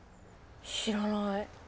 知らない。